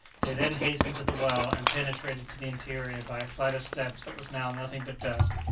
They then hastened to the well, and penetrated to the interior by a flight of steps that was now nothing but dust.